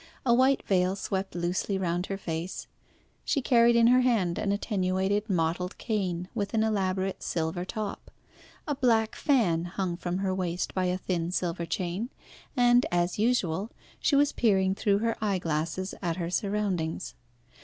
A white veil swept loosely round her face; she carried in her hand an attenuated mottled cane, with an elaborate silver top. A black fan hung from her waist by a thin silver chain, and, as usual, she was peering through her eyeglasses at her surroundings.